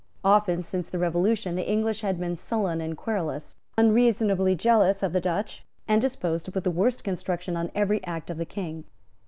Often, since the Revolution, the English had been sullen and querulous, unreasonably jealous of the Dutch, and disposed to put the worst construction on every act of the King.